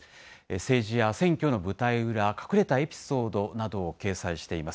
政治や選挙の舞台裏、隠れたエピソードなどを掲載しています。